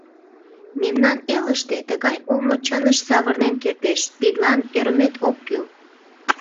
— Мемнан элыште тыгай омо чыныш савырнен кертеш — тидлан ӧрмет ок кӱл.